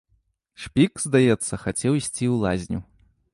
Шпік, здаецца, хацеў ісці ў лазню.